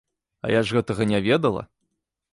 А я ж гэтага не ведала.